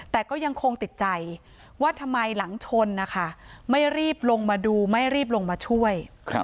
แต่ก็ยังคงติดใจว่าทำไมหลังชนนะคะไม่รีบลงมาดูไม่รีบลงมาช่วย